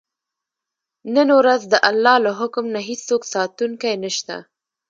نن ورځ د الله له حکم نه هېڅوک ساتونکی نه شته.